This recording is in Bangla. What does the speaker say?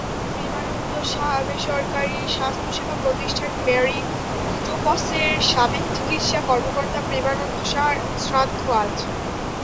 প্রেমানন্দ সাহাবেসরকারি স্বাস্থ্যসেবা প্রতিষ্ঠান মেরি স্টোপসের সাবেক চিকিৎসা কর্মকর্তা প্রেমানন্দ সাহার শ্রাদ্ধ আজ।